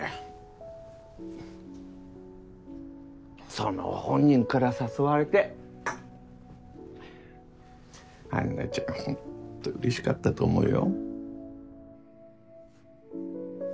その本人から誘われて安奈ちゃんほんと嬉しかったと思うよ。